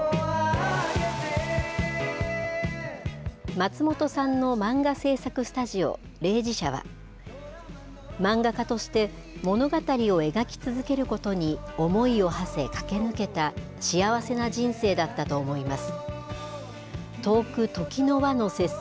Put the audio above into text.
松本さんの漫画制作スタジオ、零時社は、漫画家として物語を描き続けることに思いをはせ、駆け抜けた、幸せな人生だったと思います。